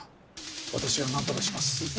私が何とかします。